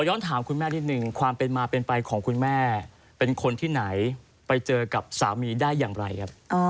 ย้อนถามคุณแม่นิดนึงความเป็นมาเป็นไปของคุณแม่เป็นคนที่ไหนไปเจอกับสามีได้อย่างไรครับ